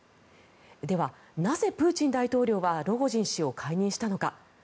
では、なぜプーチン大統領はロゴジン氏を解任したのか。